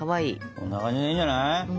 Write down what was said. こんな感じでいいんじゃない？